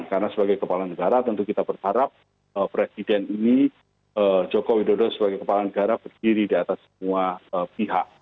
karena sebagai kepala negara tentu kita berharap presiden ini jokowi dodo sebagai kepala negara berdiri di atas semua pihak